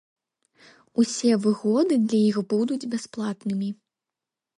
Усе выгоды для іх будуць бясплатнымі.